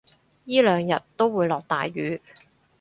依兩日都會落大雨